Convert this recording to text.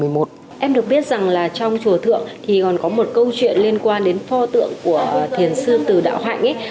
em được biết rằng là trong chùa thượng thì còn có một câu chuyện liên quan đến pho tượng của thiền sư từ đạo hạnh